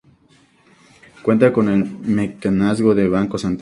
Cuenta con el mecenazgo de Banco Santander.